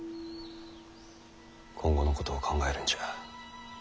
今後のことを考えるんじゃ。